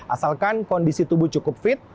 asalkan kondisi tubuh cukup fit